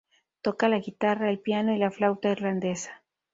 Toca la guitarra, el piano y la flauta irlandesa.